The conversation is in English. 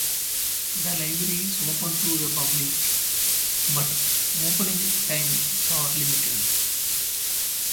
The library is open to the public, but opening times are limited.